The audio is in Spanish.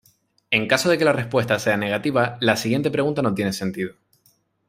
En caso de que la respuesta sea negativa, la siguiente pregunta no tiene sentido.